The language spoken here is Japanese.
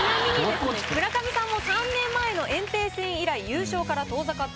村上さんも３年前の炎帝戦以来優勝から遠ざかっています。